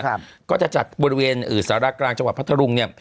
ครับก็จะจัดบริเวณหรือสระกลางจังหวัดภทรลุงเนี่ย